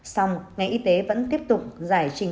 xong ngành y tế vẫn tiếp tục giải trình